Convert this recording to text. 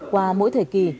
qua mỗi thời kỳ